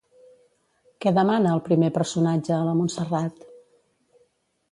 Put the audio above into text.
Què demana el primer personatge a la Montserrat?